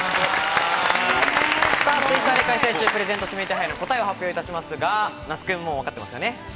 Ｔｗｉｔｔｅｒで開催中、プレゼント指名手配の答えを発表いたしますが、那須君もうわかってますよね？